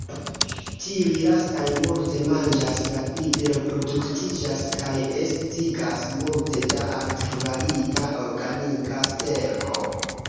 Tiuj lastaj multe manĝas, rapide reproduktiĝas kaj estigas multe da altkvalita organika sterko.